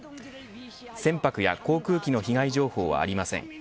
船舶や航空機の被害情報はありません。